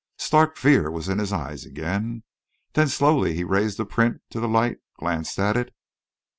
Stark fear was in his eyes again; then slowly he raised the print to the light, glanced at it....